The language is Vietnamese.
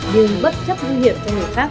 nhưng bất chấp nguy hiểm cho người khác